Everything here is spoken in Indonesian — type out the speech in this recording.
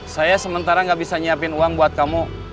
saya sementara gak bisa nyiapin uang buat kamu